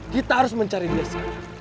kita harus mencari dia sekarang